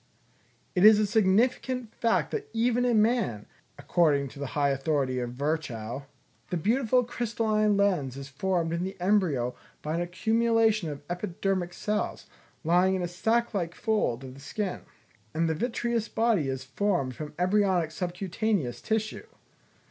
It is a significant fact that even in man, according to the high authority of Virchow, the beautiful crystalline lens is formed in the embryo by an accumulation of epidermic cells, lying in a sack like fold of the skin; and the vitreous body is formed from embryonic subcutaneous tissue.